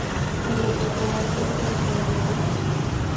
En lo que se muestra confundido.